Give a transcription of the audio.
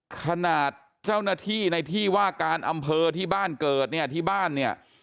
ขนาดเจ้าหน้าที่ในที่ว่าการอำเภอที่บ้านเกิดเนี่ยที่บ้านเนี่ย